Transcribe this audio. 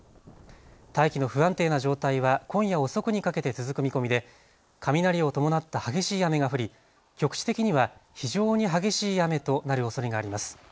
大気の不安定な状態は今夜遅くにかけて続く見込みで雷を伴った激しい雨が降り局地的には非常に激しい雨となるおそれがあります。